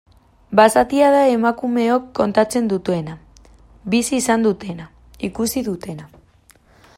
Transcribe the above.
Basatia da emakumeok kontatzen dutena, bizi izan dutena, ikusi dutena.